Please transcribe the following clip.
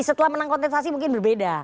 setelah menang kontestasi mungkin berbeda